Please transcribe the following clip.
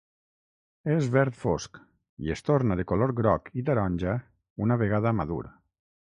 És verd fosc i es torna de color groc i taronja una vegada madur.